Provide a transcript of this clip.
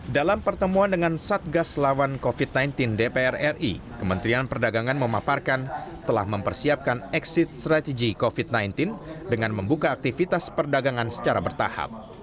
dalam pertemuan dengan satgas lawan covid sembilan belas dpr ri kementerian perdagangan memaparkan telah mempersiapkan exit strategy covid sembilan belas dengan membuka aktivitas perdagangan secara bertahap